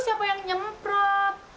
siapa yang nyemprot